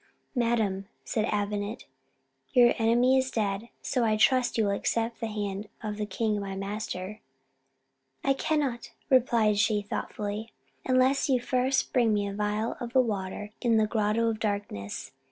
"Madam," said Avenant, "your enemy is dead: so I trust you will accept the hand of the king my master." "I cannot," replied she thoughtfully, "unless you first bring me a phial of the water in the Grotto of Darkness.